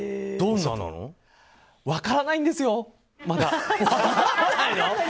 分からないんですよ、まだ。